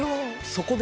そこでだ。